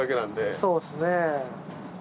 そうっすね。